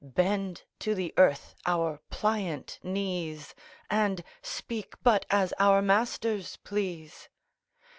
Bend to the earth our pliant knees, And speak but as our masters please?